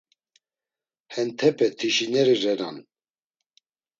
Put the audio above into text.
Hentepe tişineri renan.